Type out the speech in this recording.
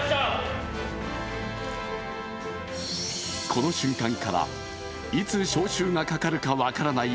この瞬間から、いつ招集がかかるか分からない